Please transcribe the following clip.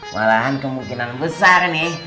malahan kemungkinan besar nih